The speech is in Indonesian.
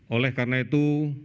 oleh karena itu